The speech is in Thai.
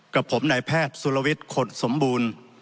กับผมนายแพทย์สุรวิทย์ขดสมบูรณ์